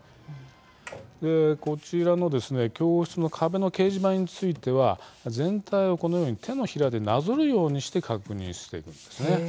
こちらの教室の壁の掲示板については、全体をこのように手のひらでなぞるようにして確認しているんです。